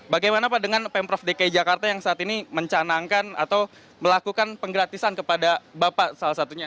bagaimana pak dengan pemprov dki jakarta yang saat ini mencanangkan atau melakukan penggratisan kepada bapak salah satunya